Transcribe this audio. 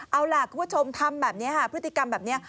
เอาล่ะคุณผู้ชมทำพฤติกรรมแบบนี้